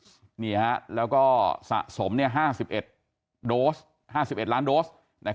ทั้งเมื่อวานนะแล้วก็สะสม๕๑๑ล้านโดส